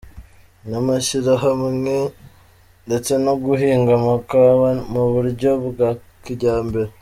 namashyirahamwe , ndetse no guhinga amakawa , mu buryo bwa kijyambere.